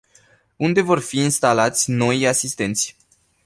Unde vor fi instalați noii asistenți?